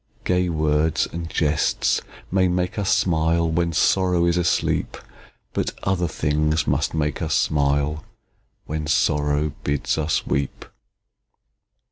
Gay words and jests may make us smile, When Sorrow is asleep; But other things must make us smile, When Sorrow bids us weep!